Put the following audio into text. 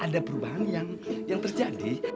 ada perubahan yang terjadi